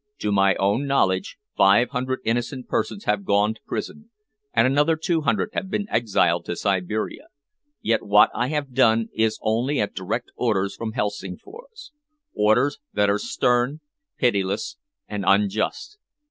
"To my own knowledge five hundred innocent persons have gone to prison, and another two hundred have been exiled to Siberia. Yet what I have done is only at direct orders from Helsingfors orders that are stern, pitiless and unjust.